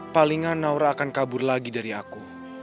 palingan naura akan kabur lagi dari aku